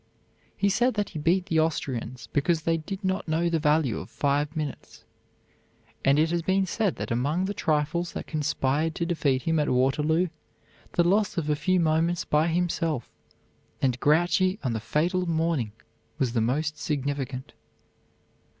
He said that he beat the Austrians because they did not know the value of five minutes; and it has been said that among the trifles that conspired to defeat him at Waterloo, the loss of a few moments by himself and Grouchy on the fatal morning was the most significant.